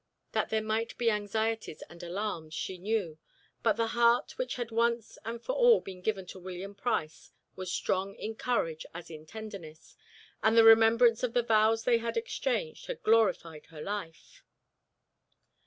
That there might be anxieties and alarms, she knew, but the heart which had once and for all been given to William Price was strong in courage as in tenderness, and the remembrance of the vows they had exchanged had glorified her life.